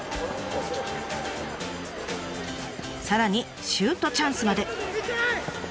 さらにシュートチャンスまで！